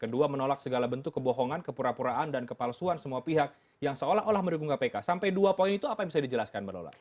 kedua menolak segala bentuk kebohongan kepura puraan dan kepalsuan semua pihak yang seolah olah mendukung kpk sampai dua poin itu apa yang bisa dijelaskan mbak lola